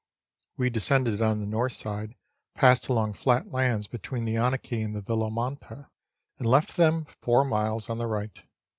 We descended on the north side, passed along flat land between the Anakie and Villamanata, and left them four miles on the right.